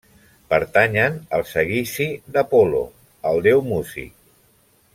Pertanyen al seguici d'Apol·lo, el déu músic.